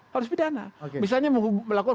harus pidana misalnya melakukan